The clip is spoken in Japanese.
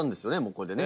これでね。